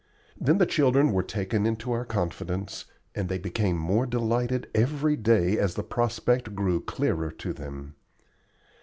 Then the children were taken into our confidence, and they became more delighted every day as the prospect grew clearer to them.